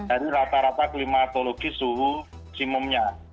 dari rata rata klimatologis suhu simumnya